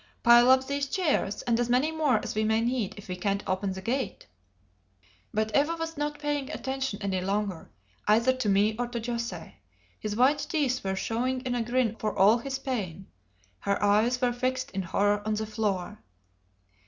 "Pile up these chairs, and as many more as we may need, if we can't open the gate." But Eva was not paying attention any longer, either to me or to José; his white teeth were showing in a grin for all his pain; her eyes were fixed in horror on the floor.